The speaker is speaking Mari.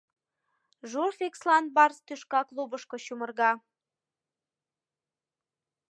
«Журфикслан» барс тӱшка клубышко чумырга.